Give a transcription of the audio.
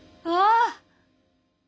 ああ！